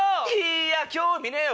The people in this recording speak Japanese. いや興味ねえよ